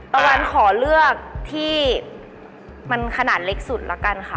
ป๊าวันขอเลือกที่คณะเล็กสุดแล้วกันค่ะ